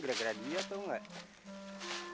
gara gara dia tahu nggak